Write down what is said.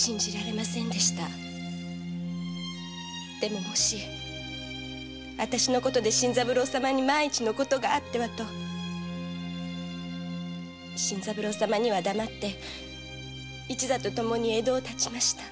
もし私の事で新三郎様に万一の事があってはと新三郎様には黙って一座とともに江戸を発ちました。